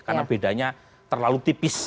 karena bedanya terlalu tipis